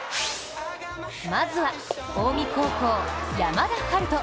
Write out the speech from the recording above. まずは、近江高校・山田陽翔。